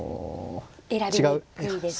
選びにくいですか。